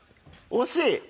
惜しい！